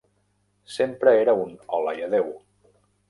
Sempre era un "hola i adéu".